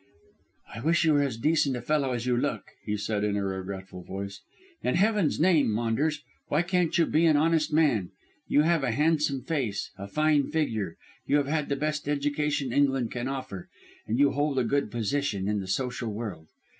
"I wish you were as decent a fellow as you look," he said in a regretful voice. "In heaven's name, Maunders, why can't you be an honest man? You have a handsome face, a fine figure, you have had the best education England can afford, and you hold a good position in the social world.